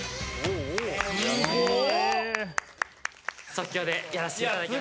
即興でやらせていただきました。